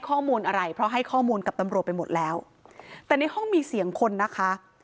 ข้อมูลอะไรเพราะให้ข้อมูลกับตำรวจไปหมดแล้วแต่ในห้องมีเสียงคนนะคะ